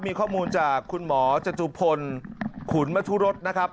มีข้อมูลจากคุณหมอจตุพลขุนมทุรสนะครับ